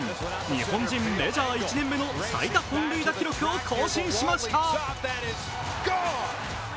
日本人メジャー１年目での最多本塁打記録を更新しました。